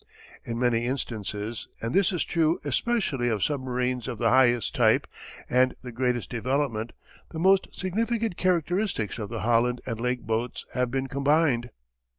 In many instances, and this is true especially of submarines of the highest type and the greatest development, the most significant characteristics of the Holland and Lake boats have been combined.